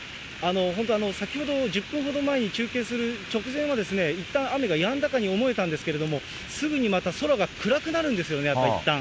本当、先ほど１０分ほど前に中継する直前は、いったん、雨がやんだかに思えたんですけれども、すぐにまた空が暗くなるんですよね、いったん。